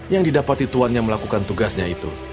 yang didapati tuannya melakukan tugasnya itu